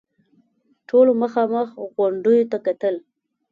ټولو مخامخ غونډيو ته کتل.